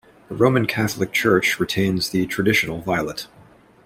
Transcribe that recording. The Roman Catholic Church retains the traditional violet.